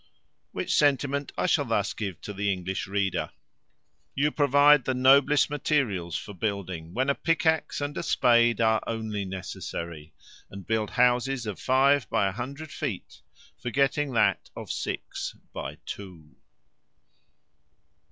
_ Which sentiment I shall thus give to the English reader: "You provide the noblest materials for building, when a pickaxe and a spade are only necessary: and build houses of five hundred by a hundred feet, forgetting that of six by two."